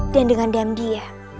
dan dengan diam dia